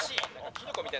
キノコみたい」。